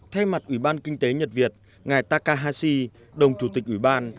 thay mặt ủy ban kinh tế nhật việt ngài takahashi đồng chủ tịch ủy ban